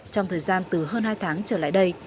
trong thời gian từ hơn hai tháng trở lại đây